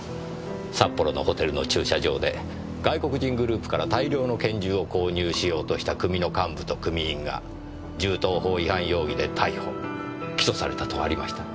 札幌のホテルの駐車場で外国人グループから大量の拳銃を購入しようとした組の幹部と組員が銃刀法違反容疑で逮捕起訴されたとありました。